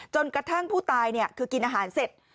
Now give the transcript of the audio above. จนกระทั่งผู้ตายคือกินอาหารเสร็จ